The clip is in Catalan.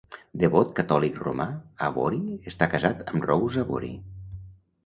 Devot catòlic romà, Awori està casat amb Rose Awori.